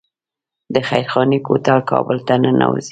د خیرخانې کوتل کابل ته ننوځي